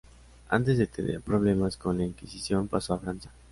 Antes de tener problemas con la Inquisición pasó a Francia.